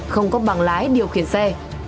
không có bằng lái điều khiển xe